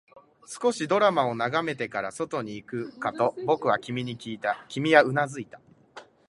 少しドラマを眺めてから、外に行くかと僕は君にきいた、君はうなずいた